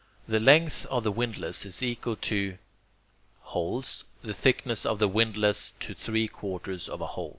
The length of the windlass is equal to... holes, the thickness of the windlass to three quarters of a hole.